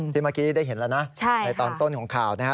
เมื่อกี้ได้เห็นแล้วนะในตอนต้นของข่าวนะฮะ